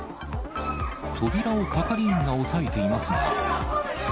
扉を係員が押さえていますが。